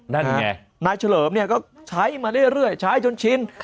นั่นไงนายเฉลิมเนี่ยก็ใช้มาเรื่อยใช้จนชิน